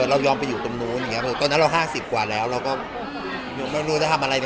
เรายอมไปอยู่ตรงนู้นตอนนั้นเรา๕๐กว่าแล้วเราก็ไม่รู้จะทำอะไรในโอกาสแล้วเราก็แก่